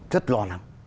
rất lo lắng